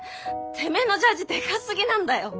てめえのジャージでかすぎなんだよ。